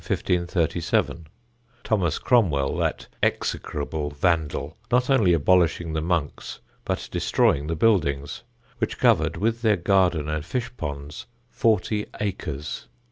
in 1537, Thomas Cromwell, that execrable vandal, not only abolishing the monks but destroying the buildings, which covered, with their gardens and fish ponds, forty acres.